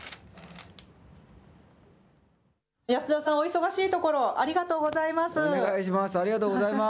安田さん、お忙しいところありがとうございます。